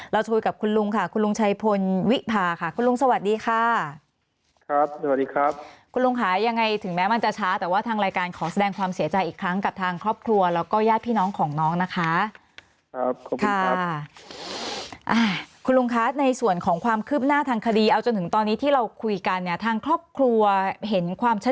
เราคุยกับคุณลุงค่ะคุณลุงชัยพลวิพาค่ะคุณลุงสวัสดีค่ะครับสวัสดีครับคุณลุงค่ะยังไงถึงแม้มันจะช้าแต่ว่าทางรายการขอแสดงความเสียใจอีกครั้งกับทางครอบครัวแล้วก็ญาติพี่น้องของน้องนะคะครับขอบคุณค่ะอ่าคุณลุงคะในส่วนของความคืบหน้าทางคดีเอาจนถึงตอนนี้ที่เราคุยกันเนี่ยทางครอบครัวเห็นความชั